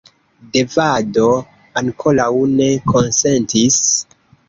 Devadato ankoraŭ ne konsentis.